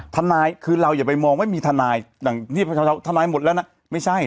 ทนายคือเราอย่าไปมองว่ามีทนายอย่างที่ทนายหมดแล้วนะไม่ใช่